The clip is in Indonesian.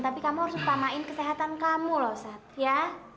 tapi kamu harus utamain kesehatan kamu loh satria